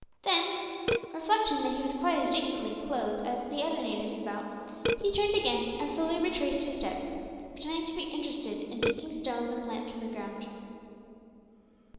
Then, reflecting that he was quite as decently clothed as the other natives about, he turned again and slowly retraced his steps, pretending to be interested in picking stones and plants from the ground.